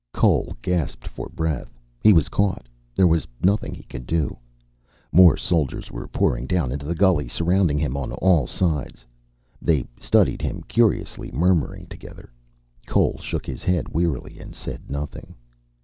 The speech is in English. Cole gasped for breath. He was caught. There was nothing he could do. More soldiers were pouring down into the gulley, surrounding him on all sides. They studied him curiously, murmuring together. Cole shook his head wearily and said nothing.